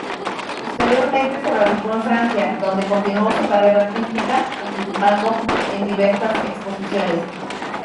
Posteriormente se radicó en Francia, donde continuó su carrera artística, participando en diversas exposiciones.